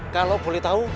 kalau boleh tau